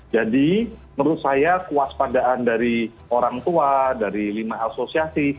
jadi menurut saya kuas pandaan dari orang tua dari lima asosiasi